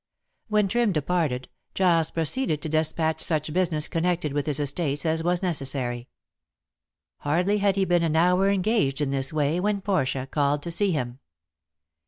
When Trim departed, Giles proceeded to despatch such business connected with his estates as was necessary. Hardly had he been an hour engaged in this way when Portia called to see him.